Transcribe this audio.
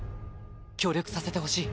協力させてほしい。